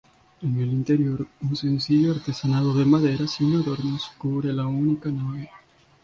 En el interior, un sencillo artesonado de madera sin adornos cubre la única nave.